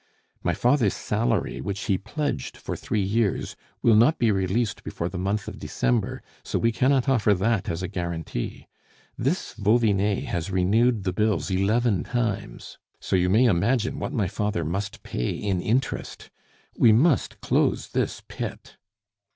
My father's salary, which he pledged for three years, will not be released before the month of December, so we cannot offer that as a guarantee. This Vauvinet has renewed the bills eleven times; so you may imagine what my father must pay in interest. We must close this pit."